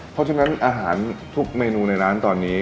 เพราะฉะนั้นอาหารทุกเมนูในร้านตอนนี้